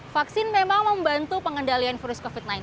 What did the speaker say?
vaksin memang membantu pengendalian virus covid sembilan belas